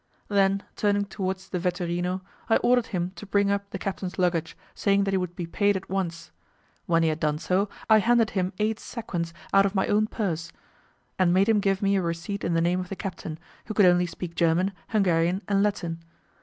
Then turning towards the 'vetturino', I ordered him to bring up the captain's luggage, saying that he would be paid at once. When he had done so, I handed him eight sequins out of my own purse, and made him give me a receipt in the name of the captain, who could only speak German, Hungarian, and Latin.